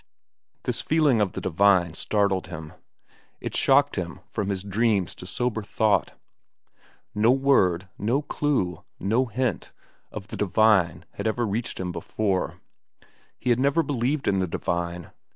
This feeling of the divine startled him. It shocked him from his dreams to sober thought. No word, no clew, no hint, of the divine had ever reached him before. He had never believed in the divine.